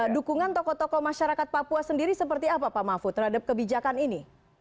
dukungan tokoh tokoh masyarakat papua sendiri seperti apa pak mahfud terhadap kebijakan ini